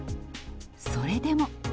それでも。